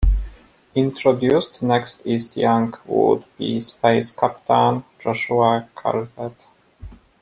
Introduced next is young would-be space captain Joshua Calvert.